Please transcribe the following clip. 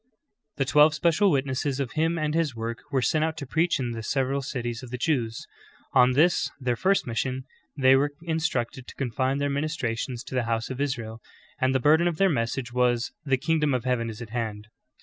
"^' The twelve special witnesses of Him and His work v/ere sent out to preach in the several cities of the Jews. On this, their first mission, they were instructed to confine their ministra tions to the house of Israel, and the burden of their message was "The kingdom of heaven is at hand.''